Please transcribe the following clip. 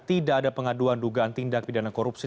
tidak ada pengaduan dugaan tindak pidana korupsi